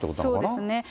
そうですね。